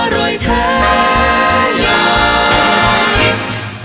อร่อยแท้ยักษ์กิน